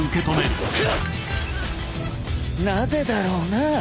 なぜだろうな。